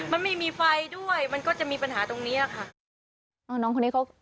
มันไม่มีไฟด้วยมันก็จะมีปัญหาตรงนี้ค่ะ